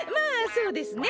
そうですね。